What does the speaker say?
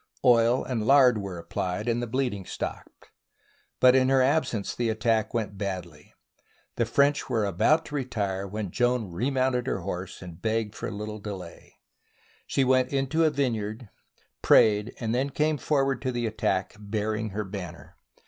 Oil and lard were applied, and the bleeding stopped. But in her absence the attack went badly. The French were about to retire when Joan remounted her horse and begged for a little delay. She went into a vineyard, prayed, and then came forward to the attack bear ing her banner.